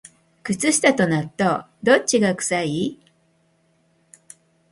靴下と納豆、どっちが臭い？